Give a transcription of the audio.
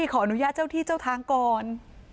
ขออนุญาตเจ้าที่เจ้าทางก่อน